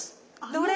どれ？